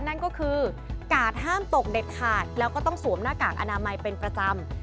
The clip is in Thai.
นั่นก็คือกาดห้ามตกเด็ดขาดแล้วก็ต้องสวมหน้ากากอนามัยเป็นประจำ